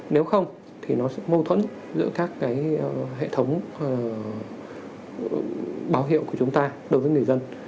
nếu không thì nó sẽ mâu thuẫn giữa các hệ thống báo hiệu của chúng ta đối với người dân